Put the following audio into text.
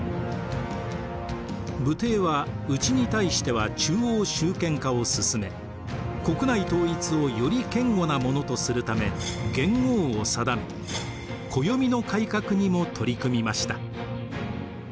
武帝は内に対しては中央集権化を進め国内統一をより堅固なものとするため元号を定め暦の改革にも取り組みました。